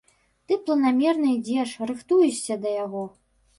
Ты планамерна ідзеш, рыхтуешся да яго.